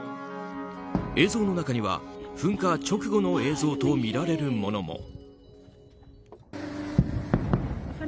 映像の中には噴火直後の映像とみられるものも。